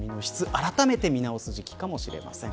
あらためて見直す時期かもしれません。